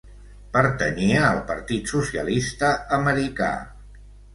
Pertanyia al Partit socialista americà.